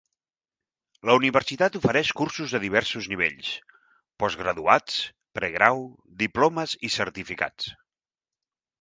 La universitat ofereix cursos de diversos nivells: postgraduats, pregrau, diplomes i certificats.